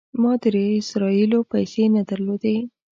ما د اسرائیلو پیسې نه درلودې.